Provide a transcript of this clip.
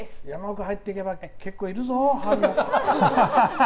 山奥入っていけば結構、いるぞ！